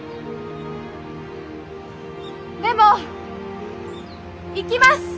でも行きます！